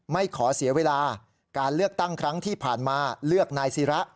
ไม่ขอเสียเวลาการเลือกตั้งครั้งที่ผ่านมาเลือกนายศิระ